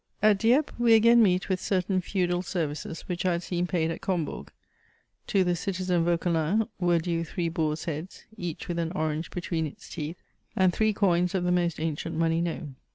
At Dieppe we again meet with certain feudal services which I had seen paid at Combourg : to the citizen Vauquelin were due three boars' heads, each with an orange between its teeth, and three coins of the most ancient money known.